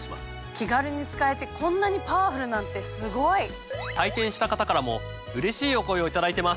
気軽に使えてこんなにパワフルなんてすごい！体験した方からもうれしいお声を頂いてます。